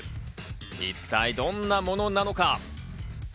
一体どんなものなのか。